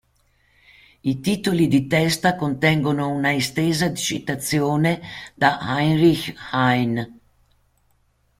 I titoli di testa contengono una estesa citazione da Heinrich Heine.